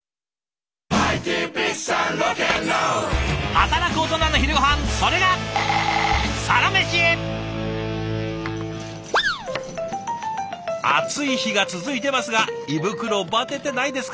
働くオトナの昼ごはんそれが暑い日が続いてますが胃袋バテてないですか？